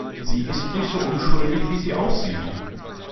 Sie ist nicht so unschuldig, wie sie aussieht.